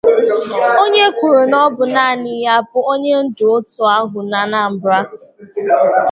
onye kwuru na ọ bụ naanị ya bụ onye ndu òtù ahụ n'Anambra